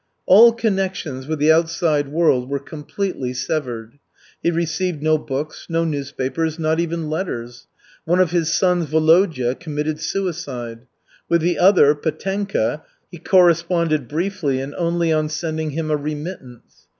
All connections with the outside world were completely severed. He received no books, no newspapers, not even letters. One of his sons, Volodya, committed suicide. With the other, Petenka, he corresponded briefly and only on sending him a remittance.